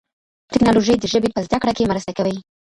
تکنالوژي د ژبي په زده کړه کي مرسته کوي.